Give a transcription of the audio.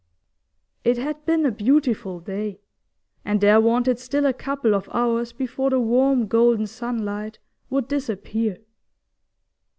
It had been a beautiful day, and there wanted still a couple of hours before the warm, golden sunlight would disappear.